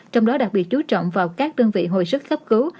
trong đó đặc biệt chú trọng vào các đơn vị hồi sức cấp cứu